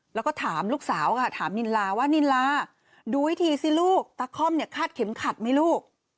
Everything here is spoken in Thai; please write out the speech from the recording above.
แล้วก็ถามลูกสาวค่ะถามนินลาว่านิลาดูให้ทีสิลูกตะค่อมเนี่ยคาดเข็มขัดไหมลูก